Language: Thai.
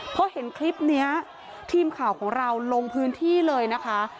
พอเห็นคลิปนี้ทีมข่าวของเราลงพื้นที่เลยนะคะ